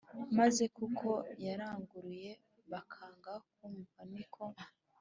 Maze kuko yaranguruye bakanga kumva ni ko